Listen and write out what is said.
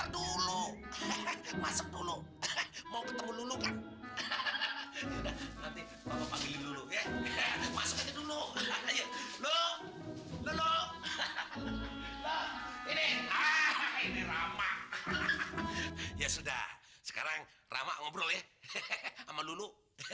dulu dulu dulu ini ini ramah ya sudah sekarang ramah ngobrol ya sama dulu